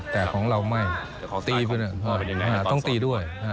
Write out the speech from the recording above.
แต่ของเราไม่ตีขึ้นต้องตีด้วย